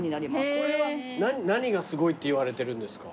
これは何がすごいっていわれてるんですか？